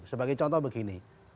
sebagai contoh begini